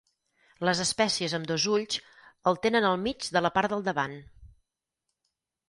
Les espècies amb dos ulls el tenen al mig de la part del davant.